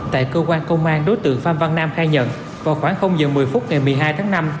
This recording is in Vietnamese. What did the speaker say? tại cơ quan công an đối tượng phan văn nam khai nhận vào khoảng giờ một mươi phút ngày một mươi hai tháng năm